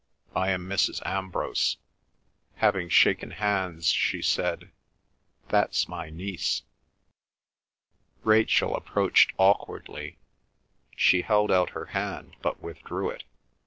"I am Mrs. Ambrose." Having shaken hands, she said, "That's my niece." Rachel approached awkwardly. She held out her hand, but withdrew it.